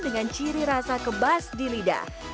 dengan ciri rasa kebas di lidah